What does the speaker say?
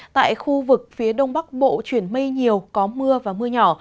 tại khu vực phía đông bắc bộ chuyển mây nhiều có mưa và mưa nhỏ